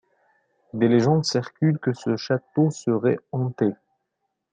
Des légendes circulent que ce château serait hanté.